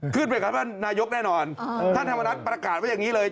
ขึ้นไปกับนายกแน่นอนท่านธรรมนัสประกาศว่าอย่างนี้เลย